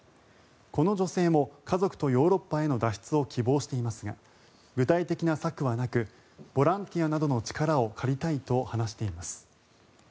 この女性も家族とヨーロッパへの脱出を希望していますが具体的な策はなくボランティアなどの力を借りたいと話しています。